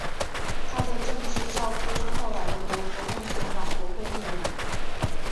他的政治教父是后来的德国共产党国会议员。